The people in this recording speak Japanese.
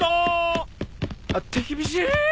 あっ手厳し！